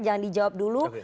jangan dijawab dulu